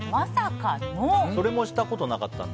それもしたことなかったんだ。